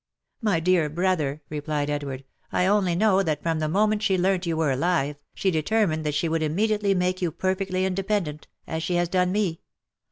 " My dear brother," replied Edward, " I only know, that from the moment she learnt you were alive, she determined that she would im mediately make you perfectly independent, as she has done me.